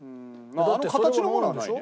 あの形のものはないね。